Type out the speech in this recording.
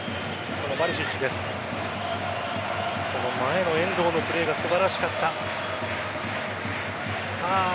その前の遠藤のプレーが素晴らしかった。